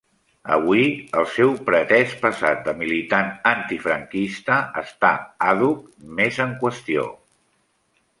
Avui, el seu pretès passat de militant antifranquista està àdhuc més en qüestió.